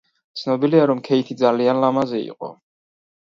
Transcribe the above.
ცნობილია რომ ქეითი ძალიან ლამაზი იყო.